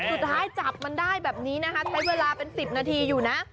สุดท้ายจับมันได้แบบนี้นะคะใช้เวลาเป็น๑๐นาทีอยู่นะ